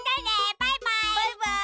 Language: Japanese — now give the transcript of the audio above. バイバイ！